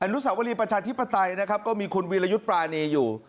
นุสาวรีประชาธิปไตยนะครับก็มีคุณวีรยุทธ์ปรานีอยู่